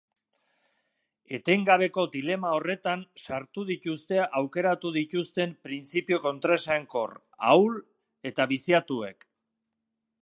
Etengabeko dilema horretan sartu dituzte aukeratu dituzten printzipio kontraesankor, ahul eta biziatuek.